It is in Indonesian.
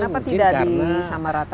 kenapa demikian kenapa tidak di sama rata